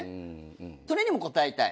それにも応えたい。